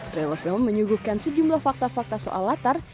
trailer film menyuguhkan sejumlah fakta fakta soal latar